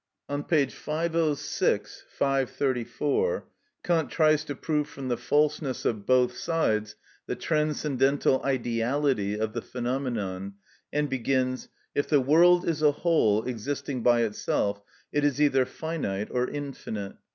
On p. 506; V. 534, Kant tries to prove from the falseness of both sides the transcendental ideality of the phenomenon, and begins, "If the world is a whole existing by itself, it is either finite or infinite."